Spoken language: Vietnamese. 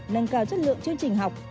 nâng cao chất lượng chương trình học